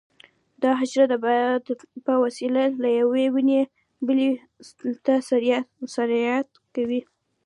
دا حشره د باد په وسیله له یوې ونې بلې ته سرایت کوي.